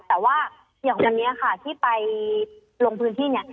แต่ว่าอย่างวันนี้ค่ะที่ไปลงพื้นที่เนี่ย